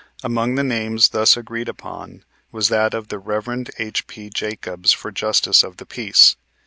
Among the names thus agreed upon was that of the Rev. H.P. Jacobs for Justice of the Peace.